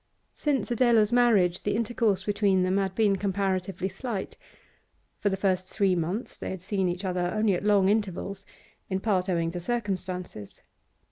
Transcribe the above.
Since Adela's marriage the intercourse between them had been comparatively slight. For the first three months they had seen each other only at long intervals, in part owing to circumstances.